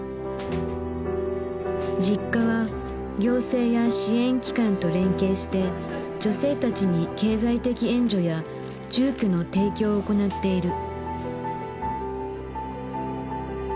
Ｊｉｋｋａは行政や支援機関と連携して女性たちに経済的援助や住居の提供を行っている。